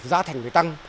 giá thành tăng